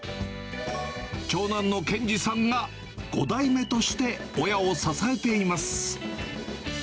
長男の憲司さんが５代目として親を支えています。